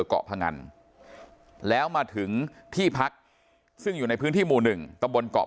เกาะพงันแล้วมาถึงที่พักซึ่งอยู่ในพื้นที่หมู่หนึ่งตะบนเกาะ